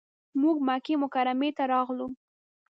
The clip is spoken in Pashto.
موږ مکې مکرمې ته راغلو.